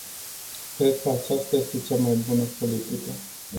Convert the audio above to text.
Cred că aceasta este cea mai bună politică.